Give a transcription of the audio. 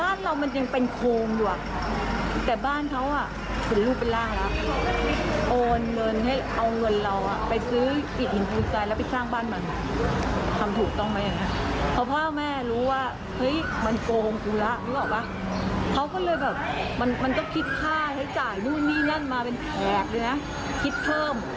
อะเราโอนเงินมาโอนทีเราห้าหมื่นห้าหมื่นแผนนึงโอนไปเรื่อยอย่างเนี้ย